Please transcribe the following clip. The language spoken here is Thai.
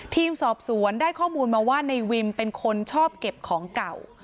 ทีมสอบสวนได้ข้อมูลมาว่าในวิมเป็นคนชอบเก็บของเก่า